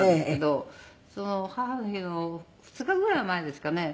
その母の日の２日ぐらい前ですかね。